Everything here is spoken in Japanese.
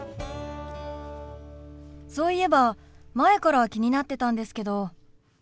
そういえば前から気になってたんですけど。